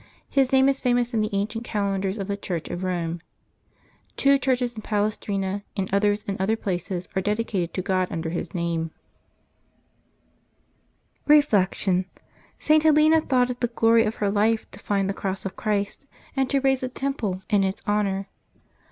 His name is famous in the ancient calendars of the Church of Rome. Two churches in Palestrina and others in other places are dedicated to God under his name. Reflection. — St. Helena thought it the glory of her life to find the cross of Christ, and to raise a temple in its 286 LIVES OF TEE SAINTS [August 19 honor.